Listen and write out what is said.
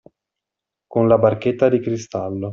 Con la barchetta di cristallo.